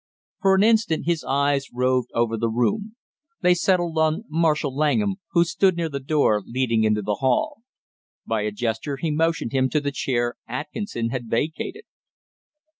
For an instant his eyes roved over the room; they settled on Marshall Langham, who stood near the door leading into the hall. By a gesture he motioned him to the chair Atkinson had vacated.